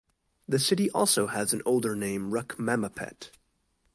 The city also has an older name Rukmammapet.